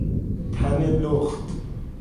تن لخت